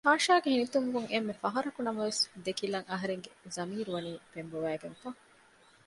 ތާޝާގެ ހިނިތުންވުން އެންމެ ފަހަރަކު ނަމަވެސް ދެކިލަން އަހަރެގެ ޒަމީރު ވަނީ ފެންބޮވައިގެންފަ